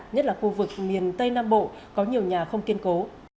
nhất là khu vực miền tây nam bộ có nhiều nhà không kiên cố